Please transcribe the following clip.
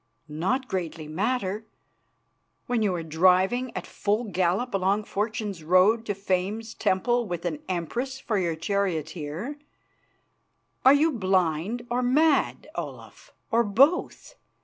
"Not greatly matter, when you are driving at full gallop along Fortune's road to Fame's temple with an Empress for your charioteer! Are you blind or mad, Olaf, or both?